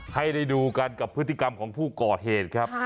ให้ได้ดูกันกับพฤติกรรมของผู้ก่อเหตุครับ